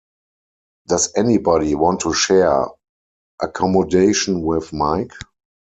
Does anybody want to share accommodation with Mike?